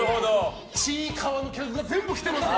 「ちいかわ」の客が全部来てますね。